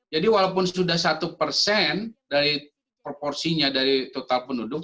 jadi walaupun sudah satu persen dari proporsinya dari total penduduk